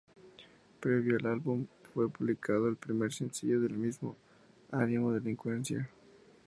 Previo al álbum fue publicado el primer sencillo del mismo, "Ánimo delincuencia".